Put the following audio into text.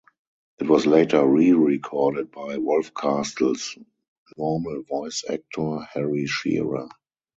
It was later re-recorded by Wolfcastle's normal voice actor, Harry Shearer.